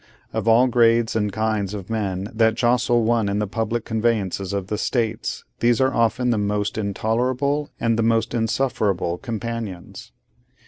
Of all grades and kinds of men that jostle one in the public conveyances of the States, these are often the most intolerable and the most insufferable companions.